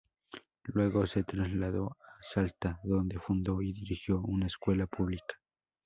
Luego se trasladó a Salta donde fundó y dirigió una escuela pública.